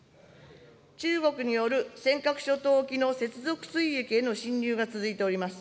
中国による尖閣諸島沖の接続水域への進入が続いております。